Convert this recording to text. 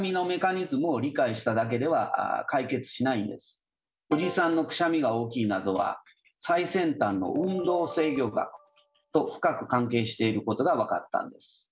実はおじさんのくしゃみが大きい謎は最先端の運動制御学と深く関係していることが分かったんです。